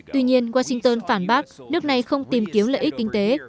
tuy nhiên washington phản bác nước này không tìm kiếm lợi ích kinh tế